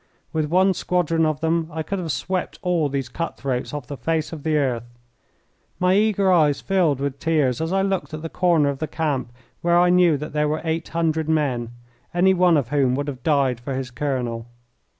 With one squadron of them I could have swept all these cut throats off the face of the earth. My eager eyes filled with tears as I looked at the corner of the camp where I knew that there were eight hundred men, any one of whom would have died for his colonel.